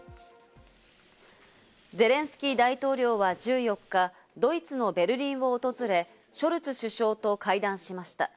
ゼレンスキー大統領は１４日、ドイツのベルリンを訪れ、ショルツ首相と会談しました。